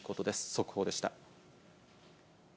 速報でした。